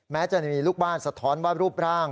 แม้จะมีลูกบ้านสะท้อนว่ารูปร่าง